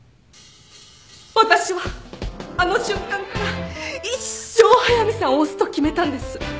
私はあの瞬間から一生速見さんを推すと決めたんです。